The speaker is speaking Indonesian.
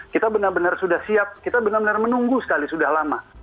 kita benar benar sudah siap kita benar benar menunggu sekali sudah lama